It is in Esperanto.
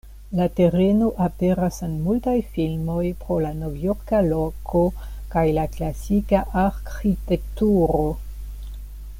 La tereno aperas en multaj filmoj, pro la novjorka loko kaj la klasika arĥitekturo.